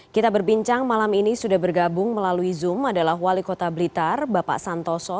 kita berbincang malam ini sudah bergabung melalui zoom adalah wali kota blitar bapak santoso